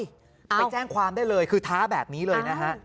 ไปแจ้งความได้เลยคือท้าแบบนี้เลยนะฮะ